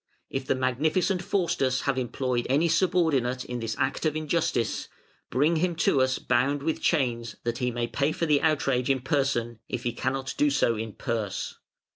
If the Magnificent Faustus have employed any subordinate in this act of injustice, bring him to us bound with chains that he may pay for the outrage in person, if he cannot do so in purse.